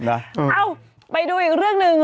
เออไปดูอีกเรื่องนึง